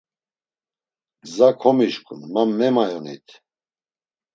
Gza komişǩun, ma memayonit.